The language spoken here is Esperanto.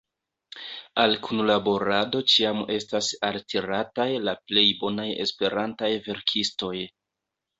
Al kunlaborado ĉiam estas altirataj la plej bonaj esperantaj verkistoj.